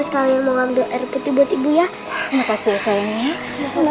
sekalian mau ambil rpt buat ibu ya enggak pasti selesai ya enggak sama